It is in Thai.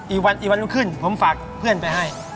อีกวันขึ้นผมฝากเพื่อนไปให้